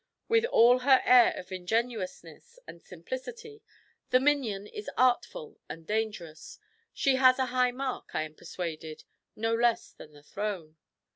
With all her air of ingenuousness and simplicity, the minion is artful and dangerous She has a high mark, I am persuaded no less than the throne."